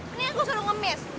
ini yang gue selalu ngemis